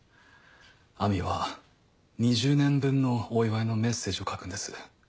亜美は２０年分のお祝いのメッセージを書くんです。